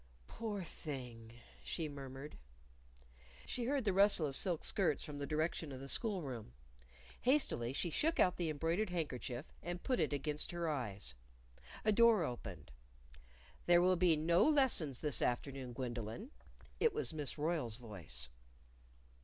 "Poor thing!" she murmured. She heard the rustle of silk skirts from the direction of the school room. Hastily she shook out the embroidered handkerchief and put it against her eyes. A door opened. "There will be no lessons this afternoon, Gwendolyn." It was Miss Royle's voice.